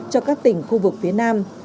cho các tỉnh khu vực phía nam